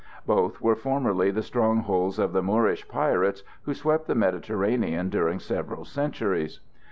Both were formerly the strongholds of the Moorish pirates who swept the Mediterranean during several centuries.